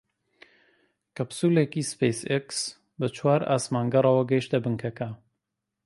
کەپسوولێکی سپەیس ئێکس بە چوار ئاسمانگەڕەوە گەیشتە بنکەکە